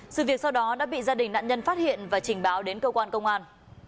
sự việc sau đó đã bị gia đình nạn nhân phát hiện và trình báo đến cơ quan công an